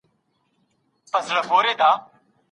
ملګرو وویل چي موږ ډېر اتڼ وړاندي کړ.